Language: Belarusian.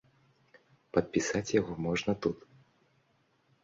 Падпісаць яго можна тут.